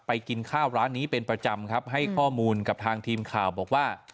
กินข้าวร้านนี้เป็นประจำครับให้ข้อมูลกับทางทีมข่าวบอกว่า